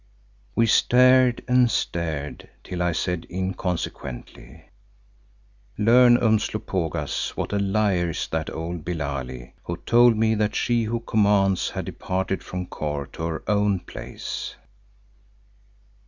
We stared and stared till I said inconsequently, "Learn, Umslopogaas, what a liar is that old Billali, who told me that She who commands had departed from Kôr to her own place."